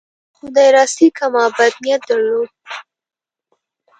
خدای راستي که ما بد نیت درلود.